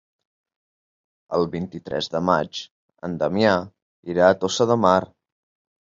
El vint-i-tres de maig en Damià irà a Tossa de Mar.